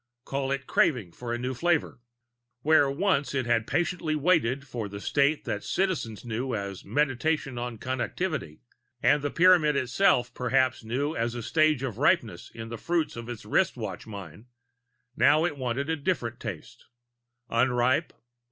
Call it craving for a new flavor. Where once it had patiently waited for the state that Citizens knew as Meditation on Connectivity, and the Pyramid itself perhaps knew as a stage of ripeness in the fruits of its wristwatch mine, now it wanted a different taste. Unripe?